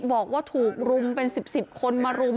บอกว่าถูกรุมเป็น๑๐คนมารุม